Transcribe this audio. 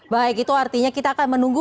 baik itu artinya kita akan menunggu